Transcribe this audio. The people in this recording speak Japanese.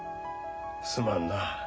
すまんな。